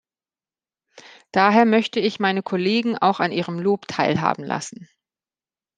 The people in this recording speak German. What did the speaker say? Daher möchte ich meine Kollegen auch an Ihrem Lob teilhaben lassen.